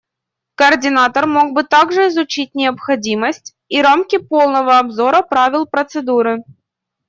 Координатор мог бы также изучить необходимость и рамки полного обзора правил процедуры.